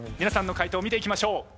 皆さんの回答見ていきましょう。